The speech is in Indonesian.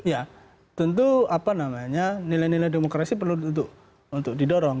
ya tentu nilai nilai demokrasi perlu untuk didorong